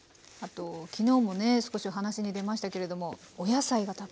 あと昨日もね少しお話に出ましたけれどもお野菜が